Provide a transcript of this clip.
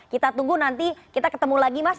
kita tunggu nanti kita ketemu lagi mas